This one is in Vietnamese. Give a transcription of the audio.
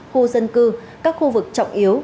khu dân cư các khu vực trọng yếu